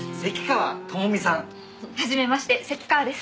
はじめまして関川です。